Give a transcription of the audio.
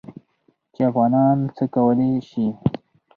چې افغانان څه کولی شي.